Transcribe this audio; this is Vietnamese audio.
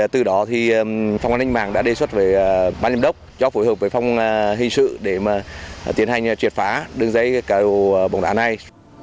từ đó phòng an ninh mạng đã đề xuất với ban liêm đốc cho phối hợp với phòng hình sự để tiến hành triệt phá đường dây cả đồ bóng đá này